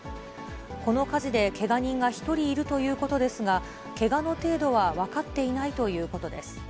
この火事でけが人が１人いるということですが、けがの程度は分かっていないということです。